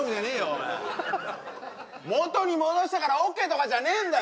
お前もとに戻したからＯＫとかじゃねえんだよ